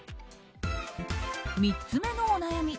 ３つ目のお悩み